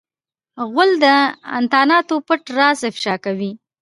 غول د انتاناتو پټ راز افشا کوي.